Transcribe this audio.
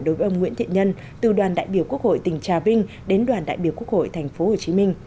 đối với ông nguyễn thiện nhân từ đoàn đại biểu quốc hội tỉnh trà vinh đến đoàn đại biểu quốc hội tp hcm